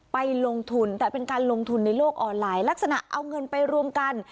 ไปลงทุนแต่เป็นการลงทุนในโลกออนไลน์ลักษณะเอาเงินไปรวมกัน